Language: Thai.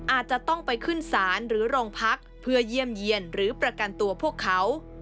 อาจจะต้องไปขึ้นศาลหรือโรงพักเพื่อเยี่ยมเยี่ยนหรือประกันตัวพวกเขา